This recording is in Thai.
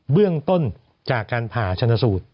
เบื้องต้นจากการผ่าชนสูตร